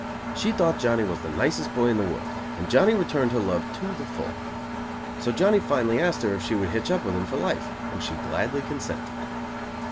She thought Johnny was the nicest boy in the world, and Johnny returned her love to the full. So Johnny finally asked her if she would "hitch up" with him for life, and she gladly consented.